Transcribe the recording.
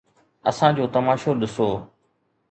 اسان جو تماشو ڏسو.